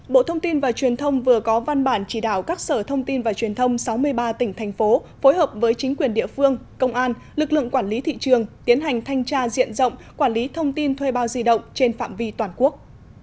bộ thông tin và truyền thông vừa có văn bản chỉ đạo các sở thông tin và truyền thông sáu mươi ba tỉnh thành phố phối hợp với chính quyền địa phương công an lực lượng quản lý thị trường tiến hành thanh tra diện rộng quản lý thông tin thuê bao di động trên phạm vi toàn quốc